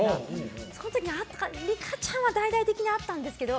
その時、リカちゃんは大々的にあったんですけど